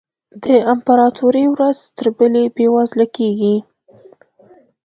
د امپراتوري ورځ تر بلې بېوزله کېږي.